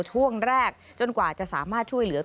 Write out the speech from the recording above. ช่วงแรกจนกว่าจะสามารถช่วยเหลือ